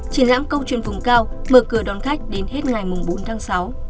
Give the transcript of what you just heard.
triển lãm câu chuyện vùng cao mở cửa đón khách đến hết ngày bốn tháng sáu